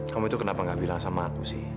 kamu itu kenapa gak bilang sama aku sih